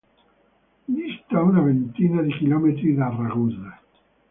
Dista una ventina di chilometri da Ragusa.